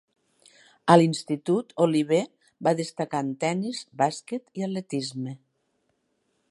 A l'institut, Oliver va destacar en tenis, bàsquet i atletisme.